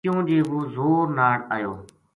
کیوں جی وہ زور ناڑ ایو